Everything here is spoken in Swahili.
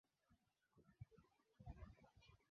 ita itafanya biashara ama itakuwa na uwiyano wa karibu